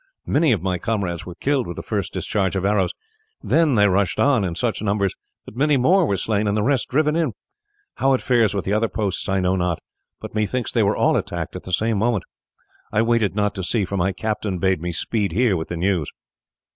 Many of my comrades were killed with the first discharge of arrows, then they rushed on in such numbers that many more were slain, and the rest driven in. How it fares with the other posts I know not, but methinks they were all attacked at the same moment. I waited not to see, for my captain bade me speed here with the news."